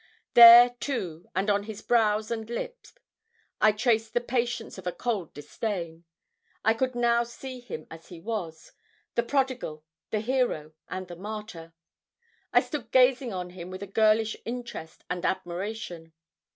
There, too, and on his brows and lip, I traced the patience of a cold disdain. I could now see him as he was the prodigal, the hero, and the martyr. I stood gazing on him with a girlish interest and admiration.